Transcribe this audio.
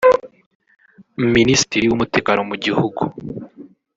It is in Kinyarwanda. Minisitiri w’umutekano mu gihugu